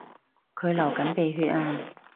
佢流緊鼻血呀